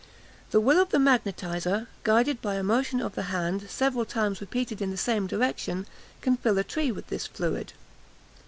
The will of the magnetiser, "guided by a motion of the hand, several times repeated in the same direction," can fill a tree with this fluid.